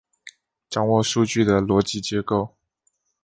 掌握数据的逻辑结构